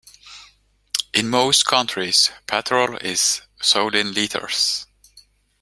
In most countries, petrol is sold in litres